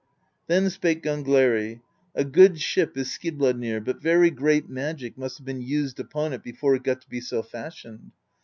Then spake Gangleri: "A good ship is Skidblad nir, but very great magic must have been used upon it be fore it got to be so fashioned.